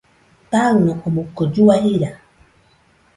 Taɨno omoɨko llua jira.